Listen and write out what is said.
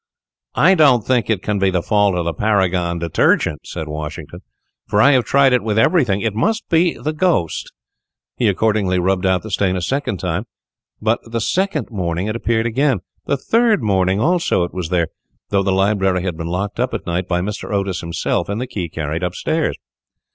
"I don't think it can be the fault of the Paragon Detergent," said Washington, "for I have tried it with everything. It must be the ghost." He accordingly rubbed out the stain a second time, but the second morning it appeared again. The third morning also it was there, though the library had been locked up at night by Mr. Otis himself, and the key carried up stairs.